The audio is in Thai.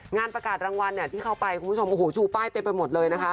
งานประกาศรางวัลเนี่ยที่เข้าไปคุณผู้ชมโอ้โหชูป้ายเต็มไปหมดเลยนะคะ